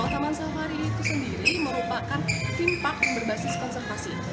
taman safari itu sendiri merupakan timpak yang berbasis konservasi